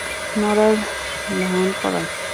মরার ভান করা!